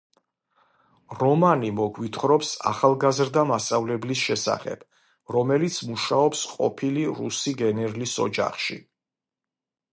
რომანი მოგვითხრობს ახალგაზრდა მასწავლებლის შესახებ, რომელიც მუშაობს ყოფილი რუსი გენერლის ოჯახში.